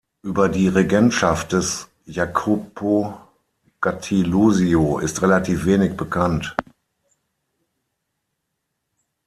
Über die Regentschaft des Jacopo Gattilusio ist relativ wenig bekannt.